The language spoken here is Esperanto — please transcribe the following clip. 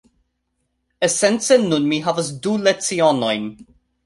Esence nun mi havas du lecionojn.